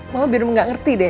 mama biar mama gak ngerti deh